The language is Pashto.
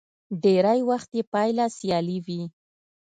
ډېری وخت يې پايله سیالي وي.